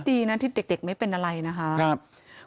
ดีนะที่เด็กไม่เป็นอะไรนะคะ